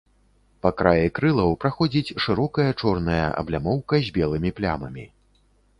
Па краі крылаў праходзіць шырокая чорная аблямоўка з белымі плямамі.